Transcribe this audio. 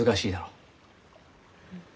うん。